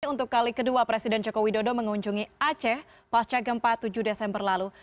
untuk kali kedua presiden joko widodo mengunjungi aceh pasca gempa tujuh desember lalu